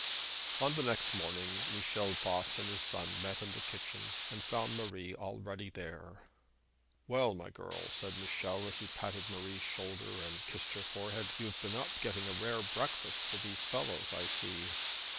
On the next morning Michel Voss and his son met in the kitchen, and found Marie already there. 'Well, my girl,' said Michel, as he patted Marie's shoulder, and kissed her forehead, 'you've been up getting a rare breakfast for these fellows, I see.'